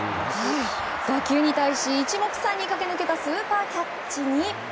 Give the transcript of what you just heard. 打球に対し一目散に駆け抜けたスーパーキャッチに。